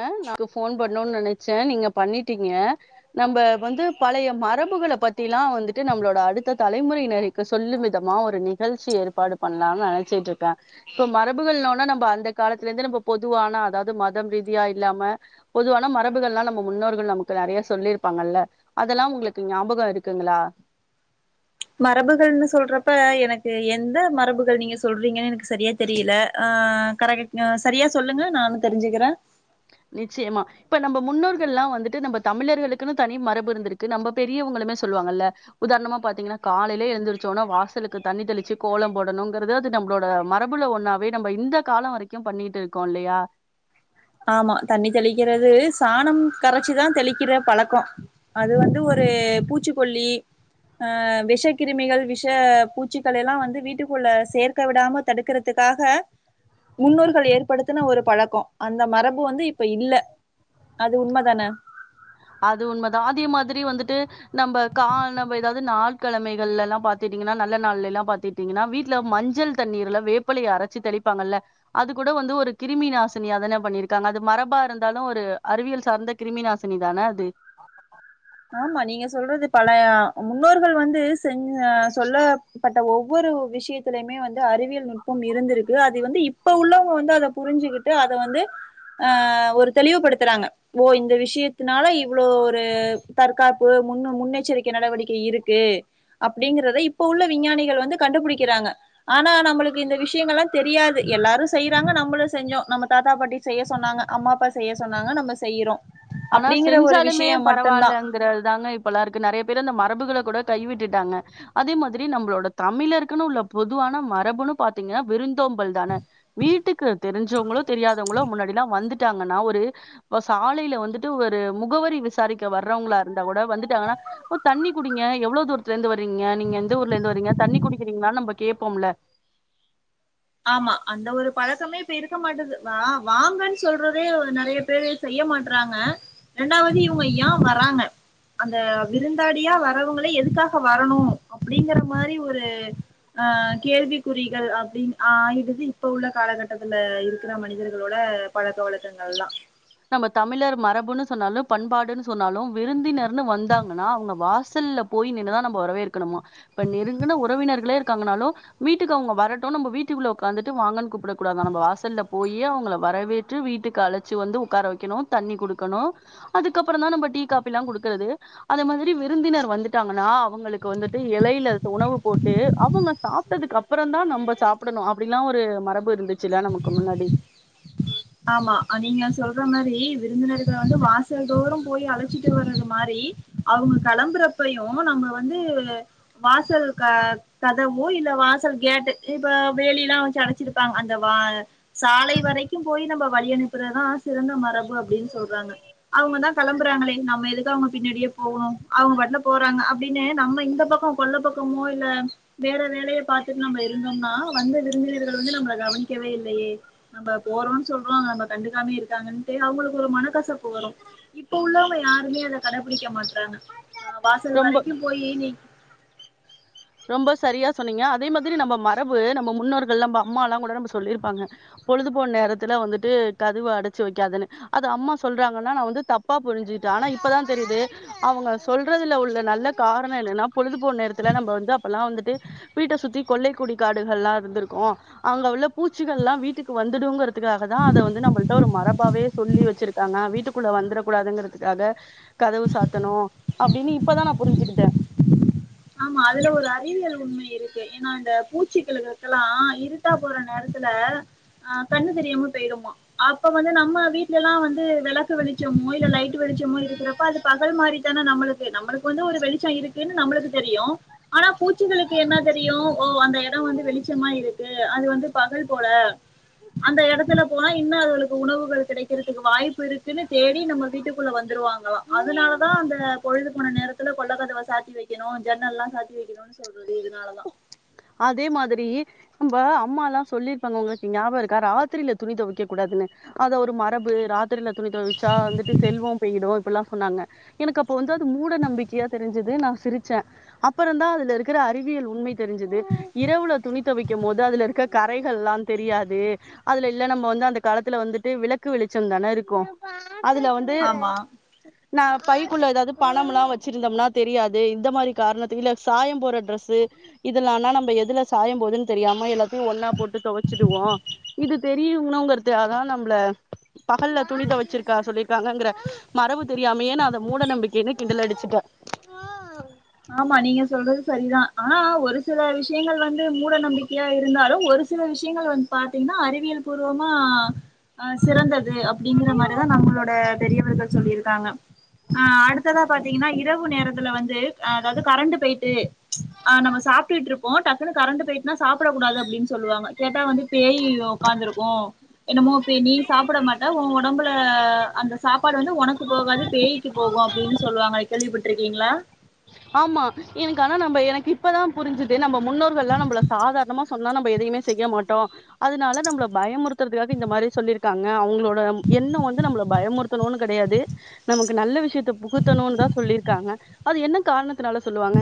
அ நாக்கு போன் பண்ணு நென ச்சா நீங்க பண்ணிட்டீங்க நம்ப வந்து பழைய மரபுகள பத்திலா வந்துட்டு நம்ளோட அடுத்த தலைமுறையினருக்கு சொல்லும் விதமா ஒரு நிகழ்ச்சி ஏற்பாடு பண்லான் நனச்சிட்ருக்க இப்போ மரபுகள்னோன நம்ப அந்த காலத்துலந்து நம்ம பொதுவான அதாவது மதம் ரீதி யா இல்லாம பொதுவான மரபுகள்லா நம்ம முன்னோர்கள் நமக்கு நெறையா சொல்லிருப்பாங்கல்ல அதெல்லா உங்களுக்கு ஞாபகோ இருக்குங்களா ச்சு மரபுகள்னு சொல்றப்ப எனக்கு எந்த மரபுகள் நீங்க சொல்றீங்கன் எனக்கு செரியா தெரியல ஆ கரெ செரியா சொல்லுங்க நானு தெரிஞ்சுக்குற நிச்சயமா இப்ப நம்ப முன்னோர்கள்லா வந்துட்டு நம்ம தமிழர்களுக்குனு தனி மரபு இருந்துருக்கு நம்ப பெரியவங்களுமே சொல்லுவாங்கல்ல உதாரணமா பாத்தீங்கனா காலைலே எழுந்தருச்சோன வாசலுக்கு தண்ணி தெளிச்சு கோலம் போடணுங்கிறது அது நம்ளோட மரபுல ஒன்னாவே நம்ம இந்த காலோ வரைக்கு பண்ணிட்டு இருக்கோ இல்லயா ஆமா தண்ணி தெளிக்கிறது சாணம் கரைச்சிதா தெளிக்கிற பழக்கோ அது வந்து ஒரு பூச்சிக்கொல்லி அ விஷ கிருமிகள் விஷ பூச்சிகள் எல்லா வந்து வீட்டுக்குள்ள சேர்க்க விடாம தடுக்கறதுக்காக முன்னோர்கள் ஏற்படுத்துன ஒரு பழக்கோ அந்த மரபு வந்து இப்ப இல்ல அது உண்மதான அது உண்மதா அதே மாதிரி வந்துட்டு நம்ப கா நம்ம ஏதாது நாள் கெழமைகள்லலா பாத்துட்டீங்கனா நல்ல நாள்ல எல்லா பாத்திட்டீங்கனா வீட்ல மஞ்சள் தண்ணீர்ல வேப்பலைய அரச்சு தெளிப்பாங்கல்ல அது கூட வந்து ஒரு கிருமி நாாசினியாதான பண்ணிருக்காங்க அது மரபா இருந்தாலு ஒரு அறிவியல் சார்ந்த கிருமிநாசினி தான அது ஆமா நீங்க சொல்றது பல முன்னோர்கள் வந்து செஞ் சொல்லப்பட்ட ஒவ்வொரு விஷயத்திலயுமே வந்து அறிவியல் நுட்பம் இருந்திருக்கு அது வந்து இப்ப உள்ளவங்க வந்து அத புரிஞ்சுகிட்டு அத வந்து அ ஒரு தெளிவுபடுத்துறாங்க ஓ இந்த விஷயத்துனால இவ் இவ்ளோ ஒரு தற்காப்பு முன் முன்னெச்சரிக்கை நடவடிக்கை இருக்கு அப்டிங்கறத இப்ப உள்ள விஞ்ஞானிகள் வந்து கண்டுபுடிக்கிறாங்க ஆனா நம்ளுக்கு இந்த விஷயங்கள்லா தெரியாது எல்லாரு செய்றாங்க நம்மளு செஞ்சோ நம்ம தாத்தா பாட்டி செய்ய சொன்னாங்க அம்மா அப்பா செய்ய சொன்னாங்க நம்ம செய்யுறோ ஆனா செஞ்சாலுமே பரவால்லங்குற தாங்க இப்பலா இருக்கு நறைய பேர் அந்த மரபுகள கூட கைவிட்டுட்டாங்க அதே மாதிரி நம்பளோட தமிழர்க்குனு உள்ள பொதுவான மரபுன்னு பாத்தீங்கனா விருந் விருந்தோம்பல் தான வீட்டுக்கு தெரிஞ்சவங்களோ தெரியாதவங்களோ முன்னாடில்லா வந்து ட்டாங்கனா ஒரு சாலைல வந்து டு ஒரு முகவரி விசாரிக்க வர்றவங்களா இருந்தா கூட வந்துட்டாங்கனா ஓ தண்ணி குடிங்க எவ்ளோ தூரத்துல இருந்து வறீங்க நீங்க எந்த ஊர்ல இருந்து வரீங்க தண்ணி குடிக்கிறீங்ளானு நம்ம கேப்போம்ல ஆமா அந்த ஒரு பழக்கமே இப்ப இருக்க மாட்டது வா வாங்கன் சொல்றதே நறைய பேரு செய்ய மாட்றாங்க ரெண்டாவது இவங்க ஏ வராங்க அந்த விருந்தாளியா வரவங்கள எதுக்காக வரணு அப்டிங்கிற மாரி ஒரு ஆ கேள்விக்குறிகள் அப்டின் ஆ ஆயிடுது இப்ப உள்ள காலகட்டத்துல இருக்குற மனிதர்களோட பழக்க வழக்கங்கள்லாம் நம்ம தமிழர் மரபுன்னு சொன்னாலும் பண்பாடுன்னு சொன்னாலும் விருந்தினர்ந்து வந்தாங்கன்னா அவங்க வாசல்ல போய் நின்னுதான் நம்ம வரவேற்கணுமா ப்ப நெருங்குன உறவினர் ளே இருக்காங்கனாலு வீட்டுக்கு அவங்க வரட்டு நம்ப வீட்டுகுள்ள உக்காந்துட்டு வாங்கன் கூப்டக்கூடாதா நம்ப வாசல்ல போயி அவங்கள வரவேற்று வீட்டுக்கு அழச்சு வந்து உக்கார வைக்கணு தண்ணி குடுக்கணு அதுக்கப்பறந் தா நம்ப டீ காப்பில்லா குடுக்கறது அந்த மாதிரி விருந்தினர் வந்துட்டாங்கன்னா அவங்களுக்கு வந்துட்டு எலையில உணவு போட்டு அவங்க சாப்ட்டதுக்கு அப்புறந் தா நம்ப சாப்பிடணு அப்படி எல்லா ஒரு மரபு இருந்துச்சுல்ல நமக்கு முன்னாடி ஆமா நீங்க சொல்ற மாரி விருந்தினர்கள் வந்து வாசல் தோறும் போய் அழச்சிட்டு வர்றது மாரி அவங்க கிளம்புறப்பயு நம்ம வந்து வாசல் கதவோ இல்ல வாசல் கேட்டு இப்ப வேலி எல்லா வச்சு அடச்சிருப்பாங்க அந்த வா சாலை வரைக்கும் போய் நம்ப வழி அனுப்புறதான் சிறந்த மரபு அப்டின்னு சொல்றாங்க அவங்கதா கிளம்புறாங்களே நம்ம எதுக்கு அவங்க பின்னாடியே போகணு அவுங்க வாட்டுல போறாங்க அப்படின்னு நம்ம இந்த பக்க கொல்ல பக்கமோ இல்ல வேற வேலய பாத்துட்டு நம்ம இருந்தோம்னா வந்த விருந்தினர்கள் வந்து நம்மள கவனிக்கவே இல்லையே நம்ப போறோன்னு சொல்றோ நம்ள கண்டுக்காமயே இருக்காங்ன்னுட்டு அவங்களுக்கு ஒரு மனக்கசப்பு வரும் இப்ப உள்ளவங்க யாருமே அத கடபிடிக்க மாட்றாங்க ஆ வாசல் ரொம்ப வரைக்கும் போயி நீ ரொம்ப சரியா சொன்னீங்க அதே மாதிரி நம்ப மரபு நம்ப முன் னோர்கள் எல்லா நம்ம அம்மாலா கூட நம்ம சொல்லியிருப்பாங்க பொழுதுபோன நேரத்துல வந்துட்டு கதவு அடைச்சு வக்காதன்னு அது அம்மா சொல்றாங்கன்னா நா வந்து தப்பா புரிஞ்சுட்டே ஆனா இப்பதா தெரியுது அவங்க சொல்றதுல உள்ள நல்ல காரண என்னன்னா பொழுதுபோன நேரத்துல நம்ம வந்து கொல்லை குடி காடுகள் எல்லா இருந்திருக்கு அங்க உள்ள பூச்சிகள் எல்லா வீட்டுக்கு வந்துடும்ங்கற க்காக தா அதவந்து நம்மள்ட்ட ஒரு மர பாவே சொல்லி வச்சிருக்காங்க வீட்டுக்குள்ள வந்துறகூடாதுங்கிறதுக்காக கதவு சாத்தணு அப்டின்னு இப்பதா நா புரிஞ்சுகிட்டே ஆமா அதுல ஒரு அறிவியல் உண்மை இருக்கு ஏன்னா அந்த பூச்சிக்களுக்கெல்லாம் இருட்டா போற நேரத்துல அ கண்ணு தெரியாம போய்டுமா அப்ப வந்து நம்ம வீட்ல எல்லா வந்து வெளக்கு வெளிச்சமோ இல்ல லைட்டு வெளிச்சமோ இருக்கிறப்ப அது பகல் மாரிதானே நம்மளுக்கு நம்மளுக்கு வந்து ஒரு வெளிச்ச இருக்குன்னு நம்மளுக்கு தெரியு ஆனா பூச்சிகளுக்கு என்ன தெரியு ஓ அந்த இடம் வந்து வெளிச்சமா இருக்கு அது வந்து பகல் போல அந்த எடத்துல போனா இன்னு அதுகளுக்கு உணவுகள் கிடைக்கிறதுக்கு வாய்ப்பு இருக்குன்னு தேடி நம்ம வீட்டுக்குள்ள வந்து ருவாங்களா அதனால தா அந்த பொழுது போன நேரத்துல கொல்ல கதவ சாத்தி வை வைக்கணும் ஜன்னல் எல்லா சாத்தி வைக்கணுன் சொல்றது இதனாலதா அதே மாதிரி நம்ப அம்மா எல்லா சொல்லிருப்பாங்க உங்களுக்கு ஞாபகம் இருக்கா ராத்திரில துணி துவைக்க கூடாதுன்னு அத ஒரு மரபு ராத்திரில துணி தொவச்சா வந்துட்டு செல்வம் போயிடு அப்டி எல்லா சொன்னாங்க எனக்கு அப்ப வந்து அது மூட நம்பிக்கையா தெரிஞ்சது நா சிரிச்சே அப்புறந் தா அதுல இருக்கற அறிவியல் உண்மை தெரிஞ்சது இரவுல துணி தொவைக்கும் போது அதுல இருக்க கறைகள் ல்லா தெரியாது அதுல இல்ல நம்ம வந்து அந்த காலத்துல வந்துட்டு விளக்கு வெளிச்சந் தான இருக்கு அதுல வந்து ஆமா நா பைக்குள்ள ஏதாது பணமெல்லா வச்சிருந்தம்னா தெரியாது இந்த மாரி காரணத்துக் இல்ல சாயம் போற டிரெஸ்சு இதெல்லானா நம்ம இப்ப எதுல சாயம் போதுன்னு தெரியாம எல்லாத்தையு ஒன்னா போட்டு தொவைச்சிடுவோ இது தெரியணுங்கறதுக்காக தா நம்மள பகல்ல துணி தொவச்சிருக்கா சொல்லிருக்காங்கற மரபு தெரியாமயே அத மூட நம்பிக்கைன்னு கிண்டல் அடிச்சுட்ட ஆமா நீங்க சொல்றது சரிதா ஆனா ஒரு சில விஷயங்கள் வந்து மூட நம்பிக்கையா இருந்தாலும் ஒரு சில விஷயங்கள் வந்து பாத்தீங்கன்னா அறிவியல் பூர்வமா ஆ சிறந்தது அப்படிங்கற மாரிதா நம்மளோட பெரியவர்கள் சொல்லிருக் காங்க ஆஹ் அடுத்ததா பாத்தீங்கன்னா இரவு நேரத்துல வந்து து அதாவது கரண்ட் போயிட்டு ஆஹ் நம்ம சாப்டுட்டு இருப்போ டக்குனு கரண்டு போயிட்டுனா சாப்ட க்க கூடாது அப்டின்னு சொல்லுவாங்க கேட்டா வந்து பேய் உக்காந்துருக்கும் என்னமோ நீ சாப்ட மாட்ட உன் ஒடம்புல அந்த சாப்பாடு வந்து உனக்கு போகாது பேய்க்கு போகு அப்டின்னு சொல்லுவாங்க கேள்விப்பட்டுருக்கீங்களா ஆமா எனக்கு ஆனா நம்ம எனக்கு இப்பதா புரிஞ்சுது நம்ம முன்னோர்கள் எல்லா நம்மள சாதாரணமா சொன்னா நம்ம எதையுமே செய்ய மாட்டோ அதனால நம்மள பயமுறுத்துறதுக்காக இந்த மாரி சொல்லியிருக்காங்க அவுங்களோ டம் எண்ணோ வந்து நம்மள பயமுறுத் தனு கெடையாது நமக்கு நல்ல விஷயத்த புகுத்தணுனு தா சொல்லியிருக்காங்க அது என்ன காரணத்துனால சொல்லுவாங்க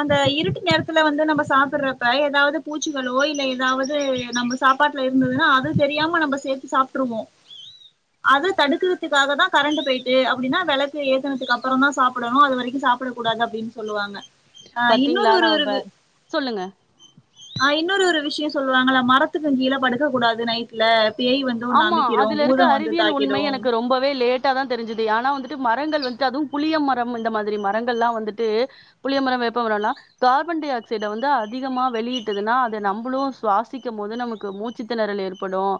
அந்த இருட்டு நேரத்துல வந்து நம்ம சாப்புறப்ப ஏதாவது பூச்சிகளோ இல்ல ஏதாவது நம்ம சாப்பாட்டுல இருந்ததுனா அது தெரியாம நம்ம சேத்து சாப்ட்ருவோ அது தடுக்குறதுக்காக தா கரண்டு போயிட்டு அப்டின்னா வெளக்கு ஏத்துனதுக்கு அப்பறோதா சாப்டணு அது வரைக்கு சாப்ட கூடாது அப்டினு சொல்லுவாங்க ஆ இன்னொரு பாத்தீங்களா ஒரு நவம்பர் சொல்லுங்க அ இன்னொரு ஒரு விஷ்யோ சொல்லுவாங்கள மரத்துக்கு கீழ படுக்கக்கூடாது நைட்ல பேய் வந்து ஒன்னு ஆமா அமிக்கிடும் அதுல இருக்க பூதம் வந்து அறிவியல் உண்மை தாக்கிடும் எனக்கு ரொம்பவே லேட்டா தா தெரிஞ்சுது ஆனா வந்துட் ட்டு மரங்கள் வந்துட்டு அதுவு புளிய மரம் இந்த மாதிரி மரங்கள்ல்லா வந்துட்டு புளிய மரம் வேப்ப மரனா கார்பன் டை ஆக்சைட வந்து அதிகமா வெளியிட்டதுனா அத நம்மளு சுவாசிக்க போது நமக்கு மூச்சு தெணறல் ஏற்படும்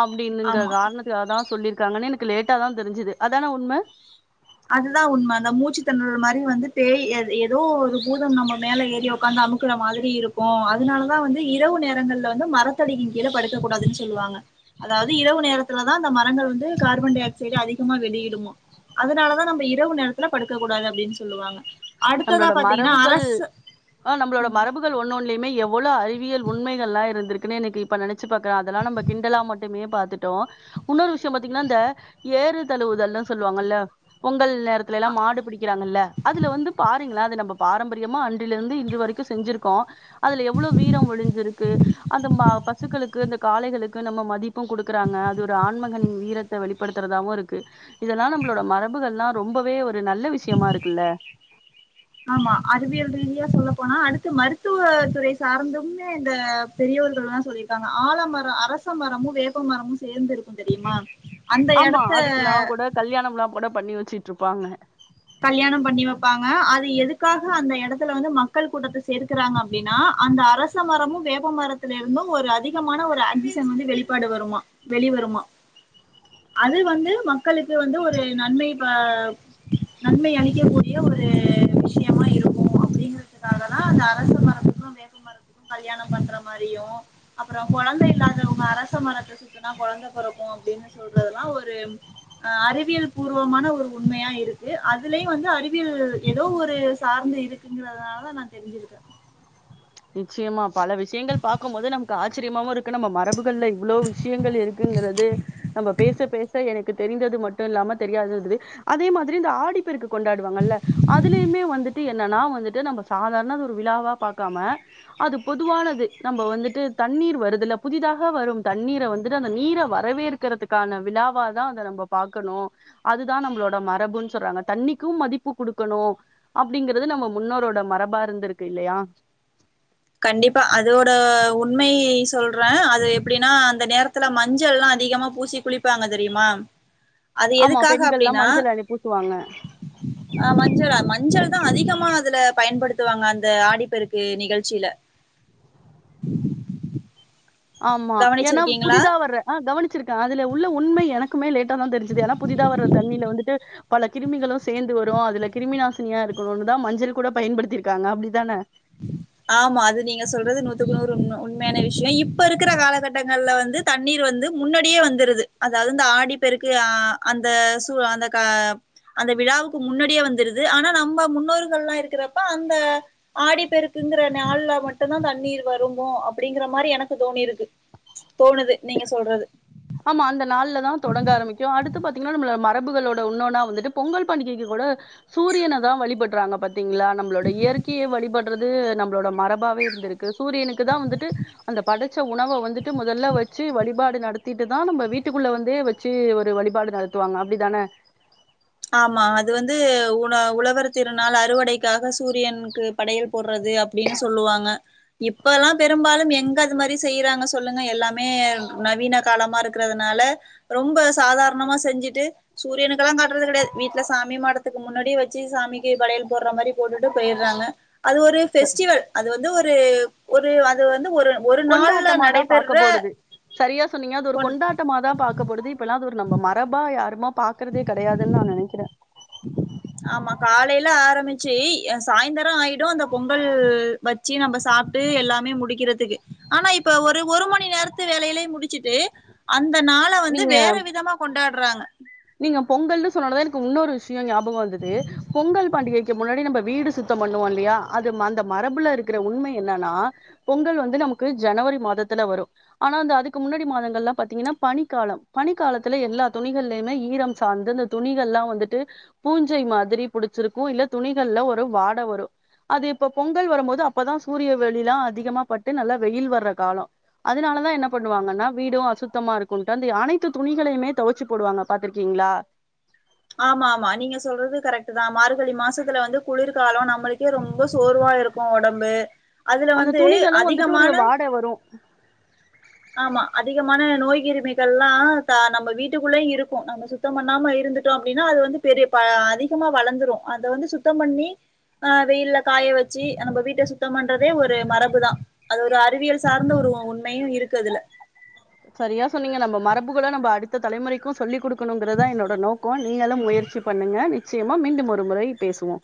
அப்டின்னுங்க ஆமா காரணத்துகாகதா சொல்லிருக்காங்கனு எனக்கு லேட்டாதா தெரிஞ்சுது அதான உண்ம அதுதா உண்ம அந்த மூச்சு தெணறல் மாரி வந்து பேய் ஏ ஏதோ ஒரு பூதம் நம்ம மேல ஏறி ஒக்காந்து அமுக்கிற மாதிரி இருக்கு அதுனாலதா வந்து இரவு நேரங்கள்ல வந்து மரத்தடின் கீழ படுக்க கூடாதுனு சொல்லுவாங்க அதாவது இரவு நேரத் த்துலதா அந்த மரங்கள் வந்து கார்பன் டை ஆக்சைட அதிகமா வெளியிடுமா அதுனால தா நம்ப இரவு நேரத்துல படுக்கக் கூடாது அப்டினு சொல்லுவாங்க அடுத்ததா நம்மளோட பாத்தீங்கன்னா மரபுகள் அரசு அ நம்மளோட மரபுகள் ஒன் ஒன்லயுமே எவ் வோள அறிவியல் உண்மைகள்லா இருந்துருக்குனே இன்னைக்கி இப்ப நெனச்சு பாக்க அதெல்லா நம்ம கிண்டலா மட்டுமே பாத்துடோ உன்னொரு விஷயோ பாத்தீங்கனா இந்த ஏறு தழுவுதல்னு சொல்லுவாங்கல உங் கல் நேரத்திலல்லா மாடு பிடிக்கிறாங்கல்ல அதுல வந்து ரிங்களா அது நம்ம பாரம்பரியமா அன்றிலிருந்து இன்று வரைக்கு செஞ்சிருக்கோ அதுல எவ்ளோ வீரோ ஒழிஞ்சிருக்கு அந்த மா பசுக்களுக்கு அந்த காளைகளுக்கு நம்ம மதிப்பு குடுக்குறாங்க அது ஒரு ஆண்மகனின் வீரத்த வெளிப்படுத்தறதாவு இருக்கு இதெல்லா நம்மளோட மரபுகல்லா ரொம்பவே ஒரு ஒரு நல்ல விஷயமா இருக்குல்ல ஆமா அறிவியல் ரீதியா சொல்லப்போனா அடுத்து மருத்துவ துறை சார்ந்துமே இந்த பெரியவர்கள்லா சொல்லியிருக்காங்க ஆலமரோ அரச மரமு வேப்பமரமு சேர்ந்து இருக்கு தெரியுமா அந்த ஆமா எடத்த அதுக்கெல்லா கூட கல்யாணமிலா கூட பண்ணி வச்சுட்ருப்பாங்க கல்யாணம் பண்ணி வப்பாங்க அது எதுக்காக அந்த எடத்துல வந்து மக்கள் கூட்டத்த சேர்க்கிறாங்க அப்டினா அந்த அரச மரமு வேப்பமரத்தில இருந்தும் ஒரு அதி திகமான ஒரு ஆக்சிஷன் வந்து வெளிப்பாடு வருமா வெளிவருமா அது வந்து மக்களுக்கு வந்து ஒரு நன்மை ப நன்மை அளிக்கக்கூடிய ஒரு விஷயமா இருக்கு அப்டிங்கறதுக்காகதா அந்த அரச மரத்துக்கு வேப்ப மரத்துக்கு கல்யாணோ பண்ற மாரியு அப்பறோ கொழந்த இல்லாதவங்க அரச மரத்த சுத்துனா கொழந்த பொறக்கு அப்டினு சொல்றதலா ஒரு அ அறிவியல் பூர்வமான ஒரு உண்மையா இருக் கு அதுலயு வந்து அறிவியல் ஏதோ ஒரு சார்ந்து இருக்குங்கறதுனாலதா நா தெரிஞ்சுருக்கே நிச்சயமா பல விஷயங்கள் பாக்கும்போது நமக்கு ஆச்சரியமாவு இருக்கு நம்ம மரபுகள்ல இவ்ளோ விஷயங்கள் இருக்குங்குறது நம்ம பேச பேச எனக்கு தெரிந்தது மட்டு இல்லாம தெரியாதது இருந்துது அதே மாதிரி இந்த ஆடிப்பெருக்கு கொண்டாடுவாங்கல்ல அதுலயுமே வந்துட்டு என்னனா வந்துட்டு நம்ம சாதாரணது ஒரு விழாவா பாக்காம அது பொதுவானது நம்மோ வந்துட்டு தண்ணீர் வருதுல புதிதாக வரும் தண்ணீர வந்துட்டு அந்த நீர வரவேக்கிறதுக்கான விழாவாதா அத நம்ம பாக்கணு அதுதா நம்மளோட மரபுனு சொல்றாங்க தண்ணீக்கும் மதிப்பு குடுக்கணு அப்டிங்கறது நம்ம முன்னோரோட மரபா இருந்துருக்கு இல்லயா கண்டிப்பா அதோட உண்மை சொல்றே அது எப்டினா அந்த நேரத்துல மஞ்சள்ல்லா அதிகமா பூசி குளிப்பாங்க தெரியுமா அது ஆமா எதுக்காக பெண்கள்லா அப்டினா மஞ்சள் அணி பூசுவாங்க அ மஞ்சுளா மஞ்சள் தா அதிகமா அதுல பயன்படுத்துவாங்க அந்த ஆடிப்பெருக்கு நிகழ் சில ஆமா ஏன்னா புதிதா வர்ற அ கவனிச்சிருக்க அதுல உள்ள உண்ம எனக்குமே லேட் ட்ட தா தெரிஞ்சிது ஏனா புதிதா வர்ர தண்ணில வந்துட்டு பல கிருமிகளு சேந்து வரு அதுல கிருமி நாசினியா இருக்குணுன் தா மஞ்சள் கூட பயன்படுத்திருக்காங்க அப்டிதான ஆமா அது நீங்க சொல்றது நூத்துக்கு நூறு உண்ம உண்ம்யான விஷ்யொ இப்ப இருக்குற காலகட்டங்கள்ல வந்து தண்ணீர் வந்து முன்னடியே வந்துருது அதாவ்து இந்த ஆடிப்பெருக்கு அ அந்த சு அந்த க அந்த விழாவுக்கு முன்னடியே வந்துருது ஆனா நம்ப முன்னோர்கல்லா இருக்குறப்ப அந்த ஆடி பெருக்குங்குற நியாள்ல மட்டுந்தா தண்ணீர் வருமோ அப்புடிங்கிற மாரி எனக்கு தோணிருக்கு தோணுது நீங்க சொல்றது ஆமா அந்த நாள்ல தா தொடங்க ஆரம்மிக்கு அடுத்து பாத்தீங்ன்னா நம்ள மரபுகளோட உன்னோன்னா வந்துட்டு பொங்கல் பண்டிகைக்கு கூட சூரியனதா வழிபட்றாங்க பத்தீங்ளா நம்புளோட இயற்கிய வழிபட்றது நம்ளோட மரபாவே இருந்திருக்கு சூரியனுக்கு தா வந்துட்டு அந்த படச்ச உணவ வந்துட்டு முதல்ல வச்சு வழிபாடு நடத் திட்டுதா நம்ப வீட்டுக்குள்ள வந்தே வச்சு ஒரு வழிபாடு நடத்துவாங்க அப்டிதான ஆமா அது வந்து ஊன உழவர திருநாள் அறுவடைக்காக சூரியன் கு படையல் போட்றது அப் பீன சொல்லுவாங்க இப்பலா பெரும்பாலும் எங்க அது மாரி செய்யிறாங்க சொல்லுங்க எல்லாமே நவீன காலமாருக்குறதுனால ரொம்ப சாதார்ணமா செஞ்சுட்டு சூரியனுக்குலா காட் ட்றது கடைது வீட்ல சாமி மாடத்துக்கு முன்னடி வச்சி சாமிக்கி படையல் போட்ற மாரி போட்டுட்டு பொயிற்றாங்க அது ஒரு ஃபெஸ்டிவல் அது வந்து ஒர் ப்ரேவ் ஒரு அதுவ கொண்டாட்டமா தா பாக்க போடுது சரியா சொன்னீங்க அது ஒரு கொண்டாட்டமா தா பாக்க போடுது இப்பெல்ல அது ஒரு நம்ம மரபா யார் பாக்குறதே கடையாது நா நெனக்கிற ஆமா காலைல ஆரமிச்சி ய சாய்ந்தரொ ஆயிடு அந்த பொங்கல் வச்சு நம்ப சாப்ட்டு எல்லாமே முடிக்கிறதுக்கு ஆனா இப்ப ஒரு ஒரு மணி நேர்த்து வேலைலே முடிச்சிட்டு அந் அந்த நாள வந்து நீங்க வேற விதமா கொண்டாட்றாங்க பொங்கல்ன்னு சொன்னனதா எனக்கு உன்னொரு விஷ்யொ ஞாபொக் வந்துது பொங்கல் பண்டிகைக்கு முன்னடி நம்ப வீடு சுத்த பண்ணுவோ இல்லியா அது மந்த மரபுல இருக்கிற உண்ம என்னனா பொங்கல் வந்து நமுக்கு ஜனவரி மாதத்துல வரு ஆனா அந்த அதுக்கு முன்னாடி மாதங்கள்லா பாத்தீங்கனா பனிக்கால பனிக்கலத்துல எல்லா துணிகள்லயுமே ஈரம் சார்ந்து இந்த துணிகள்லா வந்துட்டு பூஞ்சை மாதுரி புடிச்சிருக்கு இல்ல துணிகள்ல ஒரு வாட வரு அது இப்ப பொங்கல் வரம்போது அப்பதா சூரிய வெளிலா அதிகமா பட்டு நல்லா வெய்யில் வர்ற காலோ அதினாலதா என்ன பண்ணுவாங்கன்னா வீடு அசுத்தமாருக் குன்ட்டு அந்தி அனைத்து துணிகளையுமே தொவச்சி போடுவாங்க பாத்துருக்கீங்ளா ஆமா ஆமா நீங்க சொல்றது கரெக்ட்டுதா மார்கழி மாசத்துல வந்து குளிர்காலோ நம்மளுக்கே ரொம்ப சோர்வா இருக்கு ஒடம்பு அதுல அந்த வந்து துணிகளு வந்துட்டு அதிகமான ஒரு வாடே வரு ஆமா அதிகமான நோய் கிருமிகள்லா த நம்ப வீட்டுக்குள்ளே இருக்கு நம்ம சுத்தம் பண்ணாம இருந்துட்டோ அப்டினா அது வந்து பெரிய ப அதிகமா வளந்துரு அத வந்து சுத்தம் பண்ணி அ வெயில்ல காய வச்சி நம்ப வீட்ட சுத்தம் பண்றதே ஒரு மரபுதா அது ஒரு அறிவியல் சார்ந்த உரு உண்மையு இருக் கதுல சரியா சொன்னீங்க நம்ப மரபுகள நம்ப அடுத்த தலைமுறைக்கு சொல்லிக் குடுக்குணுங்குறதா என்னோட நோக்கோ நீங்களு முயற்சி பண்ணுங்க நிச்சியமா மீண்டும் ஒரு முறை பேசுவோ